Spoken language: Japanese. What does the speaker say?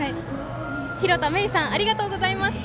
広田芽衣さんありがとうございました。